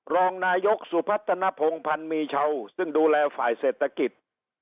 รองนายกสุพัฒนภงพันธ์มีเช่าซึ่งดูแลฝ่ายเศรษฐกิจ